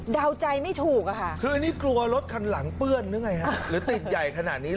ใจไม่ถูกอะค่ะคืออันนี้กลัวรถคันหลังเปื้อนหรือไงฮะหรือติดใหญ่ขนาดนี้เหรอ